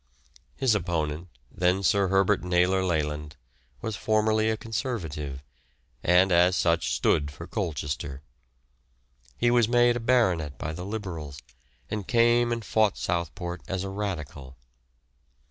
His opponent, then Sir Herbert Naylor Leyland, was formerly a Conservative, and as such stood for Colchester. He was made a baronet by the Liberals, and came and fought Southport as a Radical.